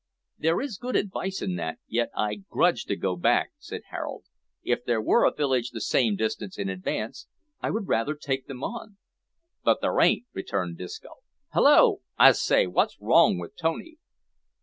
"There is good advice in that, yet I grudge to go back," said Harold; "if there were a village the same distance in advance, I would rather take them on." "But there ain't," returned Disco. "Hallo! I say, wot's wrong with Tony?"